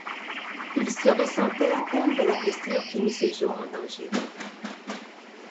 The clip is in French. Il se ressentait à peine de la blessure qui mit ses jours en danger.